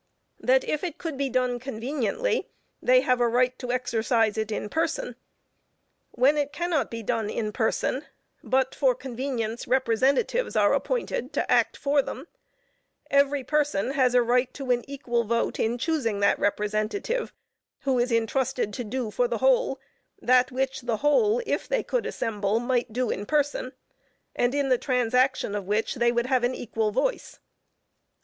That if it could be done conveniently, they have a right to exercise it in person. When it cannot be done in person, but for convenience, representatives are appointed to act for them, every person has a right to an equal vote in choosing that representative, who is intrusted to do for the whole, that which, the whole, if they could assemble, might do in person, and in the transaction of which they would have an equal voice."